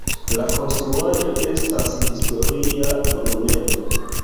La konstruaĵo estas historia monumento.